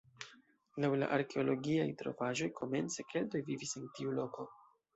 Laŭ la arkeologiaj trovaĵoj komence keltoj vivis en tiu loko.